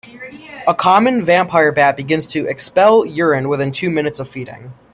A common vampire bat begins to expel urine within two minutes of feeding.